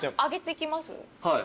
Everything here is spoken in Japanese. はい。